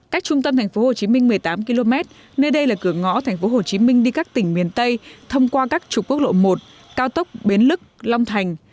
cách trung tâm thành phố hồ chí minh một mươi tám km nơi đây là cửa ngõ thành phố hồ chí minh đi các tỉnh miền tây thông qua các trục quốc lộ một cao tốc biến lức long thành